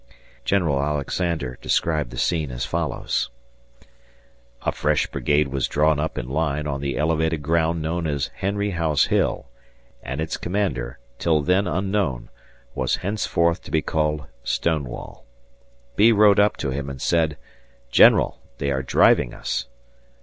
General Alexander described the scene as follows: A fresh brigade was drawn up in line on the elevated ground known as Henry House Hill and its commander, till then unknown, was henceforth to be called Stonewall. Bee rode up to him and said "General, they are driving us!"